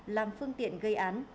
làm phương tiện gây án